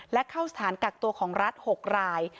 และเข้าสถานกักตัวของรัฐ๖ราย